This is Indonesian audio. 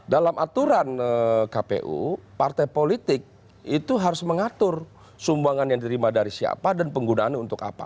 dalam aturan kpu partai politik itu harus mengatur sumbangan yang diterima dari siapa dan penggunaannya untuk apa